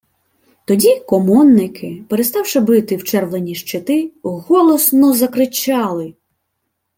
Тоді комонники, переставши бити в червлені щити, голосно закричали: